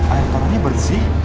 air tanah ini bersih